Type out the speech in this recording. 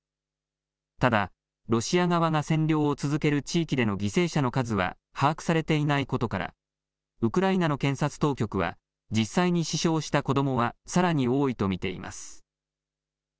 ただロシア側が占領を続ける地域での犠牲者の数は把握されていないことからウクライナの検察当局は実際に死傷した子どもはさらに多いと見ています。